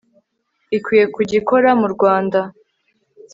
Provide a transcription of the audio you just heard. ikwiye kujya ikora mu rwanda